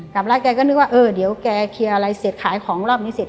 กลับแล้วแกก็นึกว่าเออเดี๋ยวแกเคลียร์อะไรเสร็จขายของรอบนี้เสร็จ